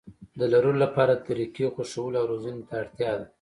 د لرلو لپاره د طريقې خوښولو او روزنې ته اړتيا ده.